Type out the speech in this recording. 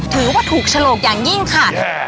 ถือว่าถูกฉลกอย่างยิ่งค่ะ